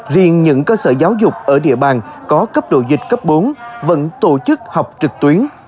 riêng những cơ sở giáo dục ở địa bàn có cấp độ dịch cấp bốn vẫn tổ chức học trực tuyến